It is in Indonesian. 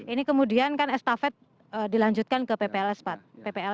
ini kemudian kan estafet dilanjutkan ke ppls pak